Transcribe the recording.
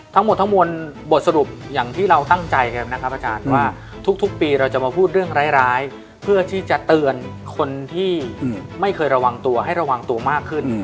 ทั้งหมดบทสรุปอย่างที่เราตั้งใจทุกปีเราจะมาพูดเรื่องร้ายเพื่อที่จะเตือนคนที่ไม่เคยระวังตัวให้ระวังตัวมากขึ้น